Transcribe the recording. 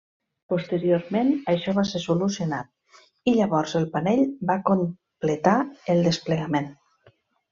Posteriorment això va ser solucionat i llavors el panell va completar el desplegament.